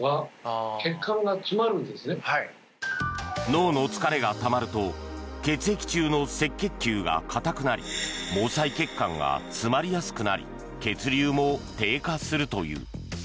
脳の疲れがたまると血液中の赤血球が硬くなり毛細血管が詰まりやすくなり血流も低下するという。